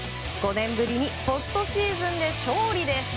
５年ぶりにポストシーズンで勝利です。